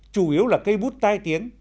chủ yếu là cây bút tai tiếng